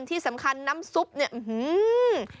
ที่สำคัญน้ำซุปเนี่ย